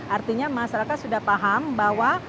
artinya masyarakat sudah paham bahwa